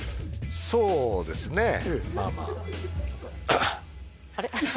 そうですねまあまああれ？